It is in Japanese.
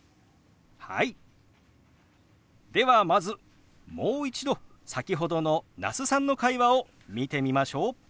ではまずもう一度先ほどの那須さんの会話を見てみましょう。